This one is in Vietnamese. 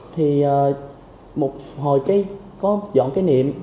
thì một hồi có dọn cái niệm